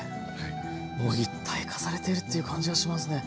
もう一体化されているという感じがしますね。